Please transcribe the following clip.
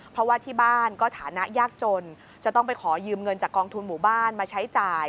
เพราะว่าที่บ้านก็ฐานะยากจนจะต้องไปขอยืมเงินจากกองทุนหมู่บ้านมาใช้จ่าย